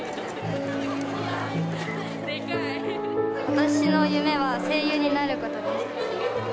私の夢は声優になることです。